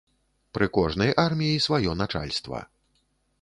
Пры кожнай арміі сваё начальства.